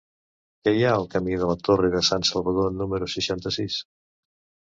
Què hi ha al camí de la Torre de Sansalvador número seixanta-sis?